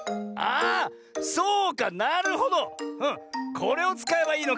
これをつかえばいいのか。